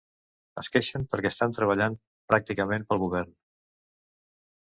Es queixen per què estan treballant pràcticament pel govern.